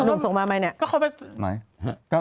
หนุ่มส่งมาไหมเนี่ยก็เขาไปไหน